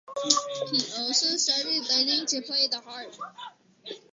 He also started learning to play the harp.